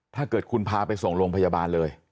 ถ้าเกิดคุณพาไปส่งโรงพยาบาลเลย